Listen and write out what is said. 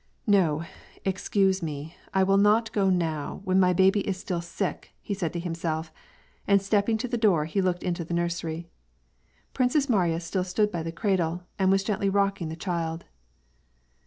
" No, excuse me, I will not go now, when my baby is still sick,'' he said to himself, and stepping to the door he looked into the nursery. Princess Mariya still stood by the cradle, and was gently rocking the child.